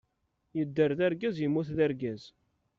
Yedder d argaz, yemmut d argaz.